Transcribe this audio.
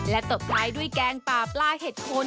ตบท้ายด้วยแกงปลาปลาเห็ดคน